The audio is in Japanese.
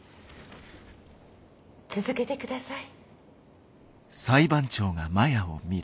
続けてください。